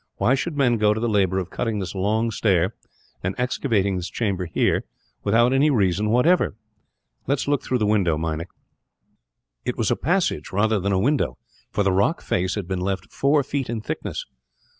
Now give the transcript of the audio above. Why should men go to the labour of cutting this long stair, and excavating this chamber here, without any reason whatever? Let us look through the window, Meinik." It was a passage, rather than a window; for the rock face had been left four feet in thickness.